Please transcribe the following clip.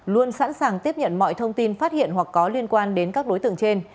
luôn sẵn sàng tiếp nhận mọi thông tin phát hiện hoặc có liên quan đến các đối tượng trên